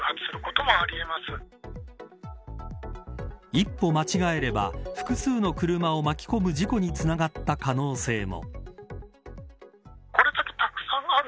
一歩間違えれば複数の車を巻き込む事故につながった可能性も。